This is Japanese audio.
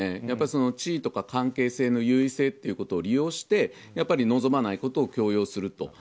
やっぱり地位とか関係性の優位性を利用してやっぱり望まないことを強要すると。